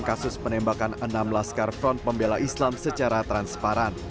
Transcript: kasus penembakan enam laskar front pembela islam secara transparan